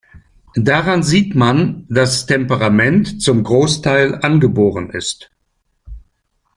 Daran sieht man, dass Temperament zum Großteil angeboren ist.